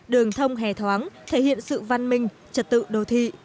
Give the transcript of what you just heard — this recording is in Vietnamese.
đường thông hề thoáng thể hiện sự văn minh trật tự đô thị